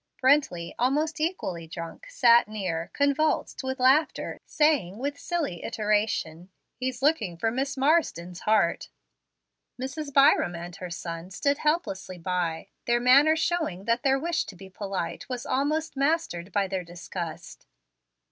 Brently, almost equally drunk, sat near, convulsed with laughter, saying with silly iteration, "He's looking for Miss Marsden's heart." Mrs. Byram and her son stood helplessly by, their manner showing that their wish to be polite was almost mastered by their disgust.